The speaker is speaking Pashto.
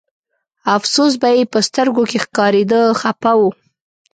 افسوس به یې په سترګو کې ښکارېده خپه و.